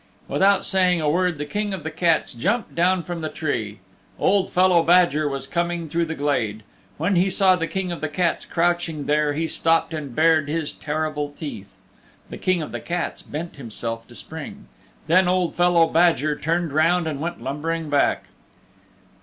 Without saying a word the King of the Cats jumped down from the tree. Old fellow Badger was coming through the glade. When he saw the King of the Cats crouching there he stopped and bared his terrible teeth. The King of the Cats bent himself to spring. Then Old fellow Badger turned round and went lumbering back.